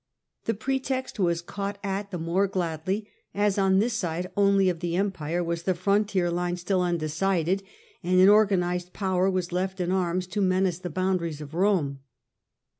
The pre text was caught at the more gladly, as on this side only of the empire was the frontier line still undecided, and an organized power was left in arms to menace the boundaries of Rome.